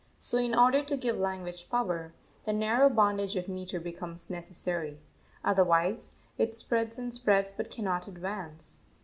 So, in order to give language power, the narrow bondage of metre becomes necessary; otherwise it spreads and spreads, but cannot advance.